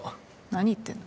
何言ってんの？